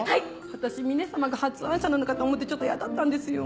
私峰様が発案者なのかと思ってちょっと嫌だったんですよ。